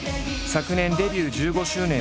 昨年がデビュー１５周年。